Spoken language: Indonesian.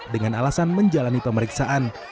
dengan alasan menjalani pemeriksaan